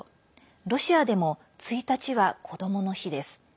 ロシアでも１日はこどもの日です。